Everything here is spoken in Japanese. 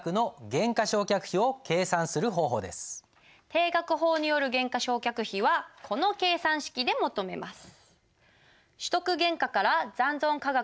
定額法による減価償却費はこの計算式で求めます。